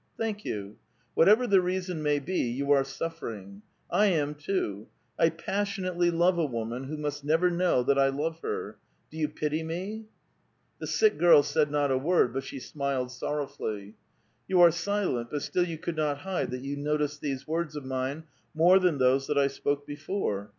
Thank you. Whatever the reason may be, 3'ou are suffering. I am too. I passion ately love a woman who must never know that I love her. Do you pity me ?" The sick girl said not a word, but she smiled sorrowfully. " You are silent, but still you could not hide that you noticed these words of mine more than those that I spoke before.